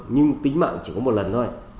nhưng tính mạng chỉ có một lần thôi